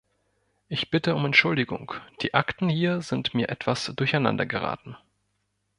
Ich bitte um Entschuldigung, die Akten hier sind mir etwas durcheinander geraten.